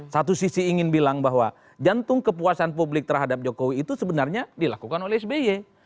satu sisi ingin bilang bahwa jantung kepuasan publik terhadap jokowi itu sebenarnya dilakukan oleh sby